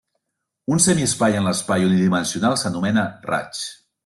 Un semiespai en l'espai unidimensional s'anomena raig.